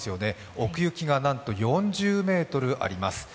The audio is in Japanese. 奥行きがなんと４０ｍあります。